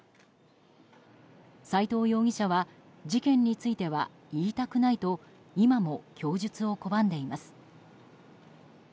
斎藤容疑者は事件については言いたくないと今も供述を拒んでいます。